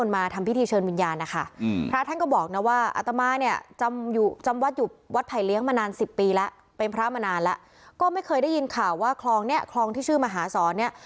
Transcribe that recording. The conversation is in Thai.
ไม่เคยได้ยินข่าวว่าคลองเนี่ยคลองที่ชื่อมหาศรเนี่ย